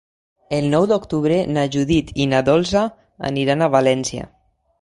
El nou d'octubre na Judit i na Dolça aniran a València.